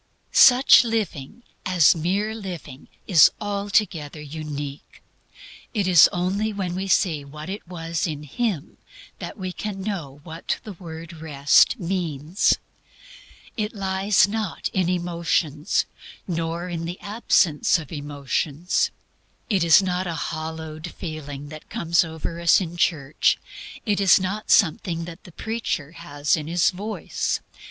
Such living, as mere living, is altogether unique. It is only when we see what it was in Him that we can know what the word Rest means. It lies not in emotions, or in the absence of emotions. It is not a hallowed feeling that comes over us in church. It is not something that the preacher has in his voice.